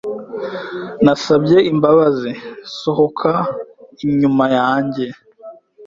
Nasabye imbabazi, sohoka inyuma yanjye.